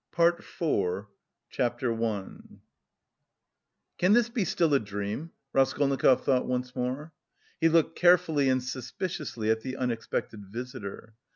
PART IV CHAPTER I "Can this be still a dream?" Raskolnikov thought once more. He looked carefully and suspiciously at the unexpected visitor.